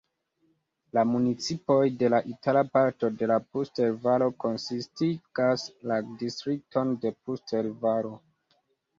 La municipoj de la itala parto de la Puster-Valo konsistigas la distrikton de Puster-Valo.